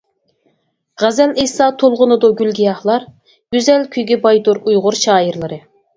غەزەل ئېيتسا تولغىنىدۇ گۈل-گىياھلار، گۈزەل كۈيگە بايدۇر ئۇيغۇر شائىرلىرى.